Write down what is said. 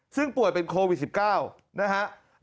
ซึ่งป่วยเป็นโควิด๑๙นะครับ